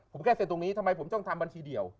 ผมแค่เซ็นตรงนี้ทำไมผมต้องทำบัญชีเดียว